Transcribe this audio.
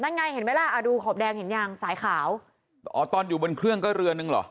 ไงเห็นไหมล่ะอ่าดูขอบแดงเห็นยังสายขาวอ๋อตอนอยู่บนเครื่องก็เรือนึงเหรอ